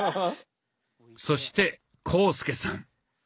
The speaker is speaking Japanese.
そして浩介さん。